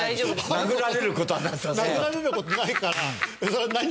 殴られる事ないから。